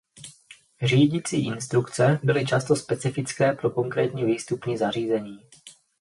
Řídicí instrukce byly často specifické pro konkrétní výstupní zařízení.